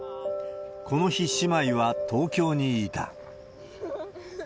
この日、姉妹は東京にいた。